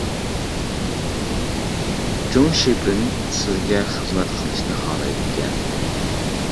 جۇڭ شىپىڭ سىزگە خىزمەت قىلىشنى خالايدىكەن.